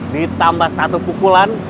ditambah satu pukulan